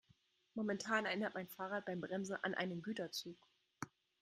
Momentan erinnert mein Fahrrad beim Bremsen an einen Güterzug.